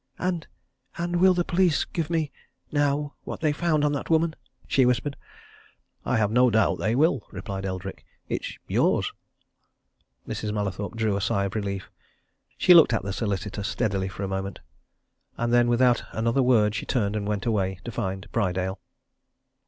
"And and will the police give me now what they found on that woman?" she whispered. "I have no doubt they will," replied Eldrick. "It's yours." Mrs. Mallathorpe drew a sigh of relief. She looked at the solicitor steadily for a moment then without another word she turned and went away to find Prydale.